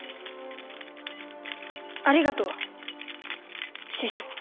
ありがとう師匠。